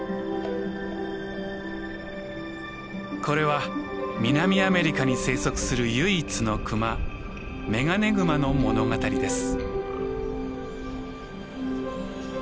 これは南アメリカに生息する唯一のクマメガネグマの物語です。